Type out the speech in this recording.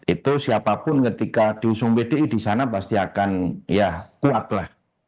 itu siapapun ketika diusung pdi di sana pasti akan ya kuat lah